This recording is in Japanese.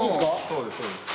そうですそうです。